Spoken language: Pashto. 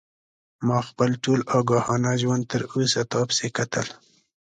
ما خپل ټول آګاهانه ژوند تر اوسه تا پسې کتل.